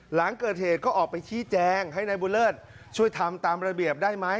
หลังเกิดเหตุก็ออกไปชี้แจงให้นายบุญเลิศช่วยทำตามระเบียบได้ไหม